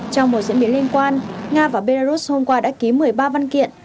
trong một diễn biến liên quan nga và belarus hôm qua đã ký một mươi ba văn kiện